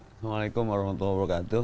assalamualaikum wr wb